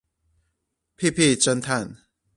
屁屁偵探